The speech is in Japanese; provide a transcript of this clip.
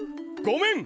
・ごめん！